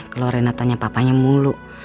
kalau rena tanya papanya mulu